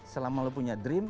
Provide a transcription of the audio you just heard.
selama lo punya dream